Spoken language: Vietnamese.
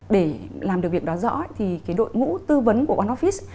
để làm được việc đó rõ thì cái đội ngũ tư vấn của one office